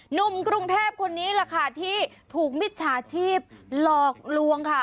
หนุ่มกรุงเทพคนนี้แหละค่ะที่ถูกมิจฉาชีพหลอกลวงค่ะ